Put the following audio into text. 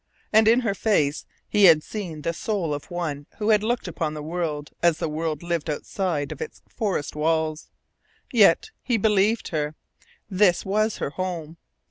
And in her face he had seen the soul of one who had looked upon the world as the world lived outside of its forest walls. Yet he believed her. This was her home.